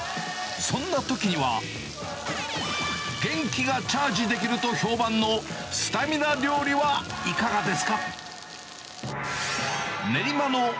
そんなときには、元気がチャージできると評判のスタミナ料理はいかがですか？